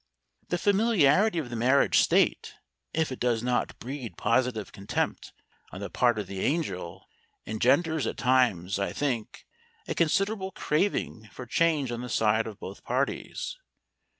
"The familiarity of the marriage state, if it does not breed positive contempt on the part of the angel, engenders at times, I think, a considerable craving for change on the side of both parties.